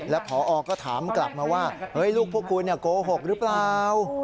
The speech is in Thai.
แล้วพอก็ถามกลับมาว่าลูกพวกคุณโกหกหรือเปล่า